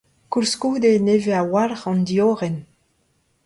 Koulskoude eo nevez a-walc'h an diorren.